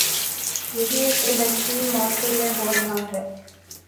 یہی اس الیکشن موسم میں ہو رہا ہے۔